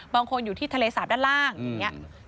บางทีอยู่ที่ทะเลสาปด้านล่างอย่างนี้